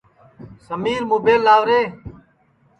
سمیر مُبیل لاو رے